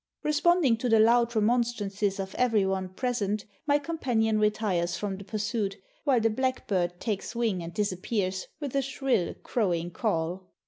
Responding to the loud remonstrances of every one present, my companion retires from the pursuit, while the black bird takes wing and disappears, with a shrill, crowing call.